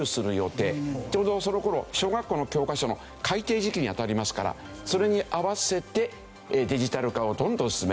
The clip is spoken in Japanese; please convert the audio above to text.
ちょうどその頃小学校の教科書の改訂時期に当たりますからそれに合わせてデジタル化をどんどん進める。